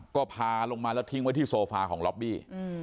ก็พาลงมาแล้วทิ้งไว้ที่โซฟาของล็อบบี้